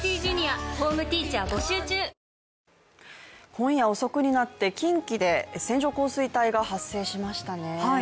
今夜遅くになって近畿で線状降水帯が発生しましたね。